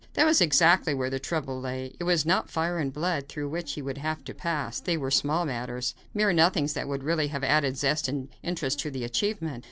That was exactly where the trouble lay; it was not fire and blood through which he would have to pass; they were small matters, mere nothings that would really have added zest and interest to the achievement.